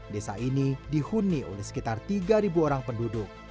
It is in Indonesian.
desa ini dihuni oleh sekitar tiga orang penduduk